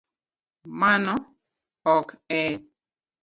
Mano ok e